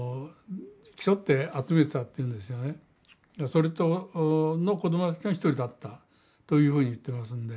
その子供たちの一人だったというふうに言ってますんで。